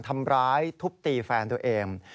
ทำร้ายทุบตีแฟนตัวเอง